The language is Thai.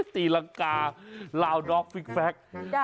ตีรังกาลาวด็อกฟิกแฟค